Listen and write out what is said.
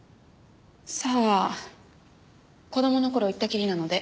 さあ子供の頃行ったきりなので。